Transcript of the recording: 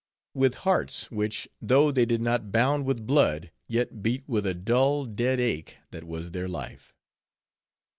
with hearts which, though they did not bound with blood, yet beat with a dull, dead ache that was their life.